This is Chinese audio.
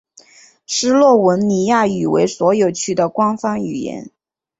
斯洛文尼亚语为所有区的官方语言。